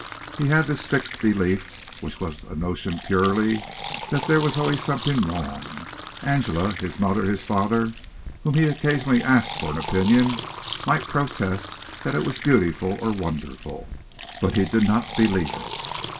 He had this fixed belief, which was a notion purely, that there was always something wrong. Angela, his mother, his father, whom he occasionally asked for an opinion, might protest that it was beautiful or wonderful, but he did not believe it.